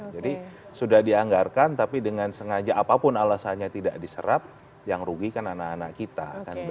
jadi sudah dianggarkan tapi dengan sengaja apapun alasannya tidak diserap yang rugikan anak anak kita